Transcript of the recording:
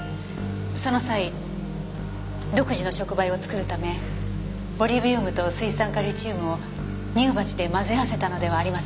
その際独自の触媒を作るためボリビウムと水酸化リチウムを乳鉢で混ぜ合わせたのではありませんか？